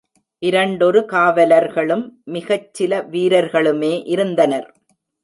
இரண்டொரு காவலர்களும் மிகச்சில வீரர்களுமே இருந்தனர்.